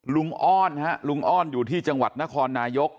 อ้อนฮะลุงอ้อนอยู่ที่จังหวัดนครนายก